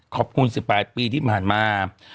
ขอบคุณ๑๘ปีที่ผ่านมา